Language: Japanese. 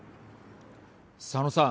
佐野さん。